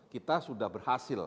kita sudah berhasil